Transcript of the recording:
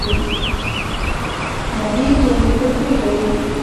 ماهي د اومیګا تري لري